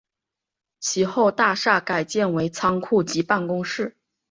其后大厦改建为仓库及办公室。